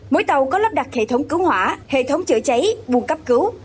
mỗi tàu có lắp đặt hệ thống cứu hỏa hệ thống chữa cháy buôn cấp cứu